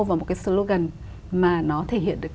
và một cái slogan mà nó thể hiện được